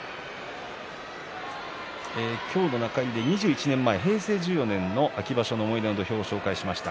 今日の中入りで２１年前平成１４年の秋場所の「思い出の土俵」をご紹介しました。